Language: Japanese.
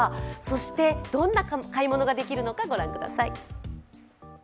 そして、どんな買い物ができるのかご覧ください。